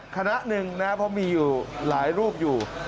คณะหนึ่งนะครับเพราะมีอยู่หลายรูปอยู่